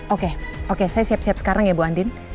oke oke saya siap siap sekarang ya bu andin